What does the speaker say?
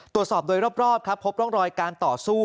ตรวจสอบโดยรอบครับพบร่องรอยการต่อสู้